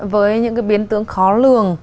với những cái biến tướng khó lường